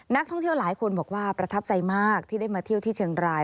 นักท่องเที่ยวหลายคนบอกว่าประทับใจมากที่ได้มาเที่ยวที่เชียงราย